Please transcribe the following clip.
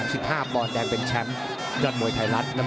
พี่น้องอ่ะพี่น้องอ่ะพี่น้องอ่ะ